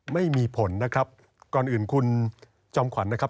ไม่มีผลนะครับก่อนอื่นคุณจอมขวัญนะครับ